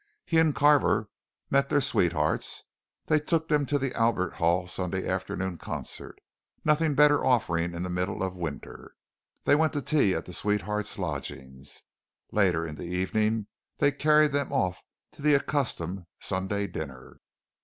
He and Carver met their sweethearts; they took them to the Albert Hall Sunday afternoon concert nothing better offering in the middle of winter they went to tea at the sweethearts' lodgings; later in the evening they carried them off to the accustomed Sunday dinner.